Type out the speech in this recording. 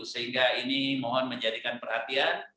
sehingga ini mohon menjadikan perhatian